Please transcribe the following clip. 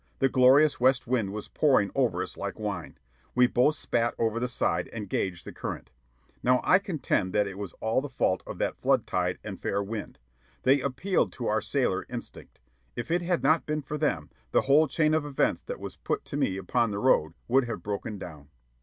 The glorious west wind was pouring over us like wine. We both spat over the side and gauged the current. Now I contend that it was all the fault of that flood tide and fair wind. They appealed to our sailor instinct. If it had not been for them, the whole chain of events that was to put me upon The Road would have broken down.